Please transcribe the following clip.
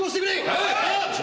はい！